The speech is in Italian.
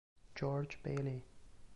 George Bailey